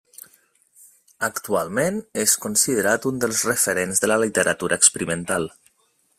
Actualment és considerat un dels referents de la literatura experimental.